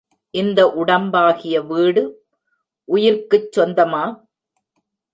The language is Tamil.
இந்த உடம்பாகிய வீடு உயிர்க்குச் சொந்தமா?